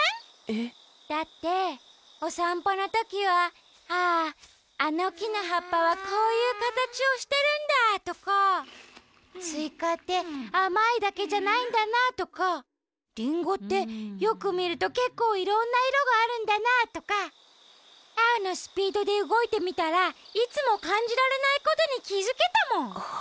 えっ？だっておさんぽのときは「あああのきのはっぱはこういうかたちをしてるんだ」とか「スイカってあまいだけじゃないんだな」とか「リンゴってよくみるとけっこういろんないろがあるんだな」とかアオのスピードでうごいてみたらいつもかんじられないことにきづけたもん。